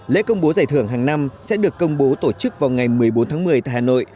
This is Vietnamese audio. lễ công bố giải thưởng hàng năm sẽ được công bố tổ chức vào ngày một mươi bốn tháng một mươi tại hà nội